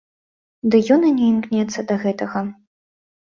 Ды ён і не імкнецца да гэтага.